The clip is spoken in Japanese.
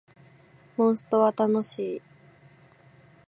モンストは楽しい